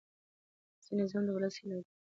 سیاسي نظام د ولس هیله ده